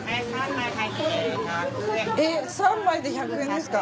えっ３枚で１００円ですか？